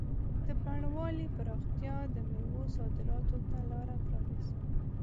د بڼوالۍ پراختیا د مېوو صادراتو ته لاره پرانیزي.